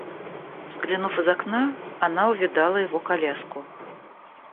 Взглянув из окна, она увидала его коляску.